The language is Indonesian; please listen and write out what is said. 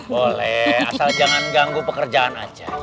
boleh asal jangan ganggu pekerjaan aja